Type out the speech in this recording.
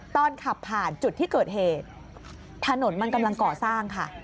ตอนขับผ่านจุดที่เกิดเหตุถนนมันกำลังก่อสร้างค่ะ